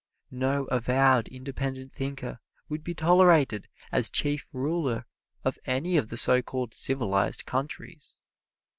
No avowed independent thinker would be tolerated as chief ruler of any of the so called civilized countries.